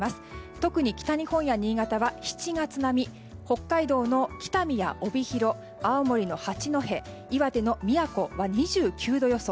特に北日本や新潟は７月並みで北海道の北見や帯広青森の八戸岩手の宮古は２９度予想。